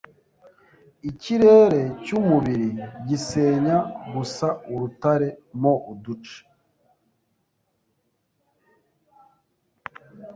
Ikirere cyumubiri gisenya gusa urutare mo uduce